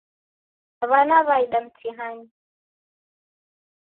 W'ana w'aida mtihani